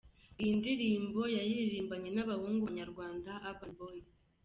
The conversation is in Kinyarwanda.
Iyi nindirimbo yaririmbanye nabahungu ba banyarwanda Urban Boyz